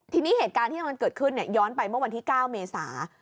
ทีนี้เหตุการณ์ที่มันเกิดขึ้นย้อนไปเมื่อวันที่๙เมษา